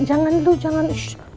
jangan dulu jangan shhh